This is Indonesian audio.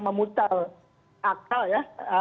memutar akal ya